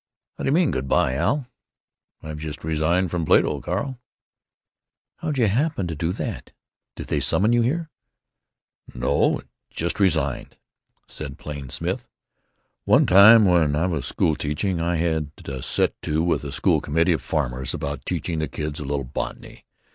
"How d'you mean 'good by,' Al?" "I've just resigned from Plato, Carl." "How'd you happen to do that? Did they summon you here?" "No. Just resigned," said Plain Smith. "One time when I was school teaching I had a set to with a school committee of farmers about teaching the kids a little botany.